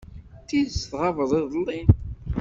D tidet tɣabeḍ iḍelli?